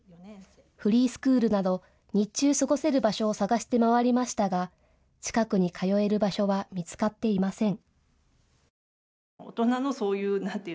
フリースクールなど日中過ごせる場所を探して回りましたが近くに通える場所は見つかっていません。